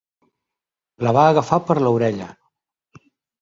La va agafar per l'orella!